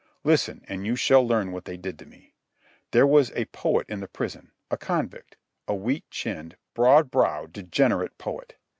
Listen, and you shall learn what they did to me. There was a poet in the prison, a convict, a weak chinned, broad browed, degenerate poet.